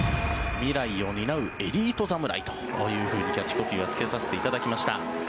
未来を担うエリート侍というふうにキャッチコピーをつけさせていただきました。